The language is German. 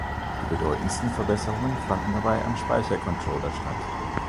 Die bedeutendsten Verbesserungen fanden dabei am Speicher-Controller statt.